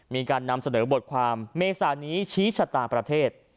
มีการนำเสนอบทความเมษานี้ชี้ชะตาประเทศ